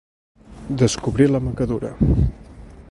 Descobrir la macadura.